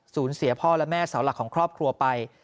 เสียพ่อและแม่เสาหลักของครอบครัวไป